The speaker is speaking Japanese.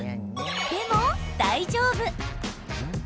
でも、大丈夫。